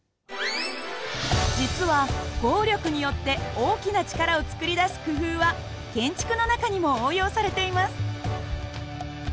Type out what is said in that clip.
実は合力によって大きな力を作り出す工夫は建築の中にも応用されています。